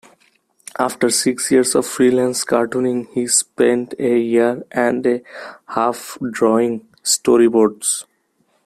After six years of freelance cartooning, he spent a year-and-a-half drawing storyboards.